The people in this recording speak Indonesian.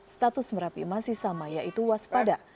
status merapi masih sama yaitu waspada